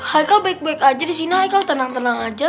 haikal baik baik aja disini haikal tenang saja